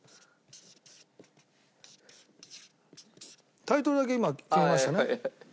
タイトルだけ今決めましてね。